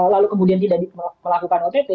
lalu kemudian tidak melakukan ott